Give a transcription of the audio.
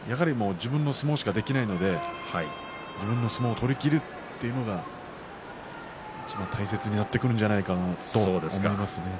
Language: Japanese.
自分の相撲しかできないので自分の相撲を取りきるというのがいちばん大切になってくるんじゃないかと思います。